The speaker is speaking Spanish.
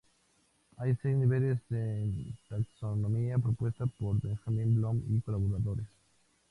Hay seis niveles en la taxonomía propuesta por Benjamín Bloom y colaboradores.